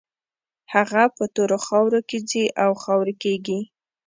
هغه په تورو خاورو کې ځي او خاورې کېږي.